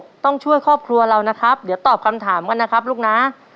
ต้องช่วยครอบครัวเรานะครับเดี๋ยวตอบคำถามกันนะครับลูกนะ